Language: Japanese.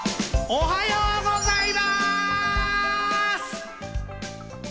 おはようございます！